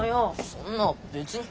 そんな別に。